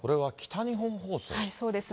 そうですね。